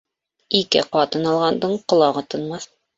Ике ҡатын алғандың ҡолағы тынмаҫ.